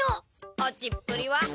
落ちっぷりは？